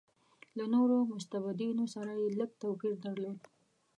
له نورو مستبدینو سره یې لږ توپیر درلود.